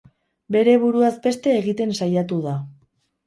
Bere buruaz beste egiten saiatu da.